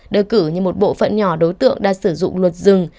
đưa cử như một bộ phận nhỏ đối tượng đã sử dụng luật dừng